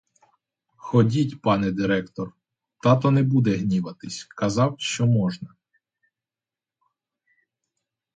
Ходіть, пане директор; тато не буде гніватися, казав, що можна.